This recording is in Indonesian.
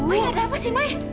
mai ada apa sih mai